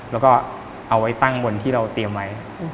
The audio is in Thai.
แล้วก็เอาไว้ตั้งบนที่เราเตรียมไว้